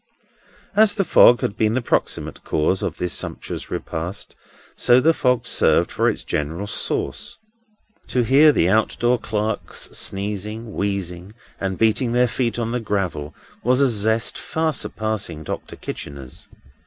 As the fog had been the proximate cause of this sumptuous repast, so the fog served for its general sauce. To hear the out door clerks sneezing, wheezing, and beating their feet on the gravel was a zest far surpassing Doctor Kitchener's.